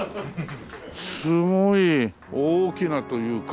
すごい大きなというか。